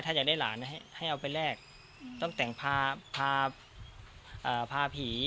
ถ้าอยากได้หลานให้ให้เอาไปแลกต้องแต่งพาพาอ่าพาผี